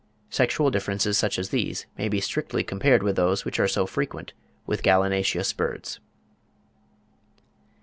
Sexual differences such as these may be strictly compared with those which are so frequent with gallinaceous birds.